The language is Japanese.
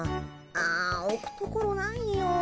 あおくところないよ。